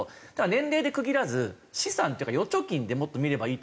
年齢で区切らず資産というか預貯金でもっと見ればいいと思うんですけど。